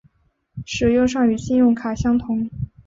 使用上与信用卡相同。